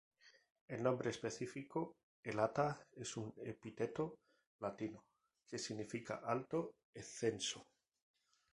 El nombre específico "elata" es un epíteto latino que significa 'alto', 'excelso'.